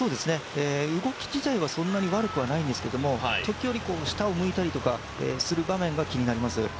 動き自体はそんなに悪くないんですけれども時折、下を向いたりする場面が気になります。